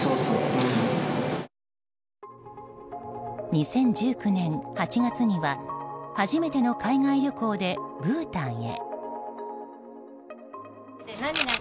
２０１９年８月には初めての海外旅行でブータンへ。